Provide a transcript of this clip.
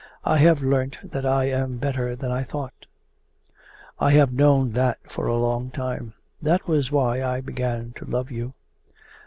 I have learnt that I am better than I thought.' 'I have known that for a long time. That was why I began to love you.